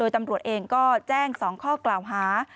ตำรวจเองก็แจ้ง๒ข้อกล่าวหา